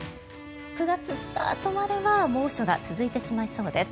９月スタートまでは猛暑が続きそうです。